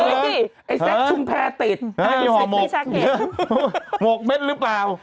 เฮ้ยไอ้แซคชุมแพร่ติดหอมหมกเหี้ยหอมหมกเม็ดหรือเปล่า